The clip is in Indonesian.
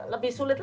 lebih sulit lagi